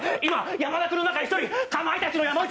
山田君の中に一人、かまいたちの山内。